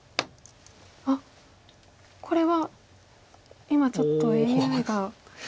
あっこれは今ちょっとＡＩが。